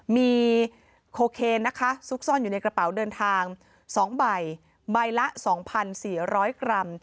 มีโคเคนนะคะซุกซ่อนอยู่ในกระเป๋าเดินทาง๒ใบใบละ๒๔๐๐กรัม